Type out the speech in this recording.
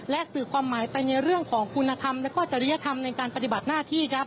และสื่อความหมายไปในเรื่องของคุณธรรมและก็จริยธรรมในการปฏิบัติหน้าที่ครับ